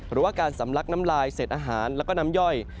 หรือว่าการสำลักน้ำลายเศษอาหารแล้วก็น้ำย่อย